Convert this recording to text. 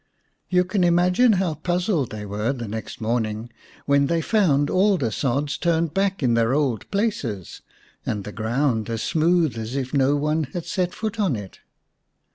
You can imagine how puzzled they were the next morning when they found all the sods turned back in their old places, and the ground as smooth as if no one had set foot on it.